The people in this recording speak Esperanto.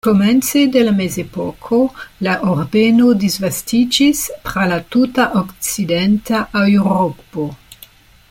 Komence de la mezepoko la ordeno disvastiĝis tra la tuta okcidenta Eŭropo.